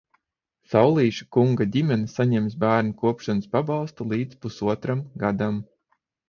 Saulīša kunga ģimene saņems bērna kopšanas pabalstu līdz pusotram gadam.